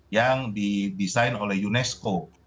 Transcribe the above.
yang di design oleh unesco